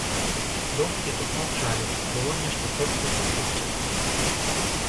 Думкі тут маўчалі, было нешта толькі ў пачуццях.